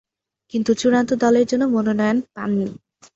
কিন্তু চূড়ান্ত দলের জন্য মনোনয়ন পাননি।